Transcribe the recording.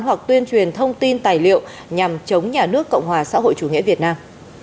hoặc tuyên truyền thông tin tài liệu nhằm chống nhà nước cộng hòa xã hội chủ nghĩa việt nam